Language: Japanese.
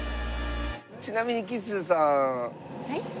ちなみに吉瀬さん。